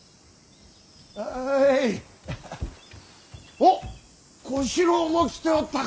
おっ小四郎も来ておったか。